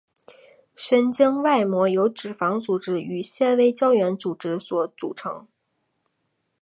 神经外膜由脂肪组织与纤维胶原组织所组成。